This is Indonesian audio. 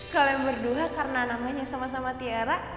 kalian berdua karena namanya sama sama tiara